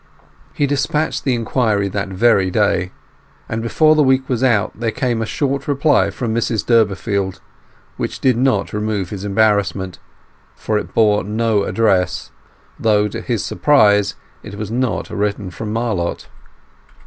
He despatched the inquiry that very day, and before the week was out there came a short reply from Mrs Durbeyfield which did not remove his embarrassment, for it bore no address, though to his surprise it was not written from Marlott.